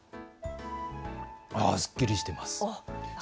すっきりしています。